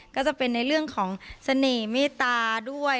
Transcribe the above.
ก็จะเป็นในเรื่องของเสน่ห์เมตตาด้วย